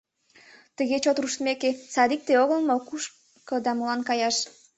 Тыге чот руштмеке, садикте огыл мо кушко да молан каяш?